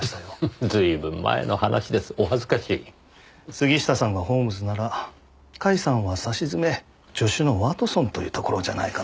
杉下さんがホームズなら甲斐さんはさしずめ助手のワトソンというところじゃないかな。